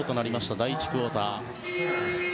第１クオーター。